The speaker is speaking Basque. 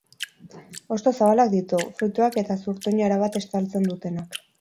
Hosto zabalak ditu, fruituak eta zurtoina erabat estaltzen dutenak.